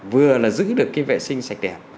vừa là giữ được cái vệ sinh sạch đẹp